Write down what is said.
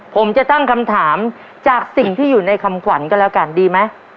ผมจะตั้งคำถามจากสิ่งที่อยู่ในคำขวัญก็แล้วกันดีไหม